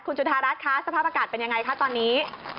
จุธารัฐคะสภาพอากาศเป็นยังไงคะตอนนี้